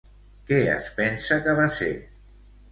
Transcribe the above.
Què es pensa que va ser?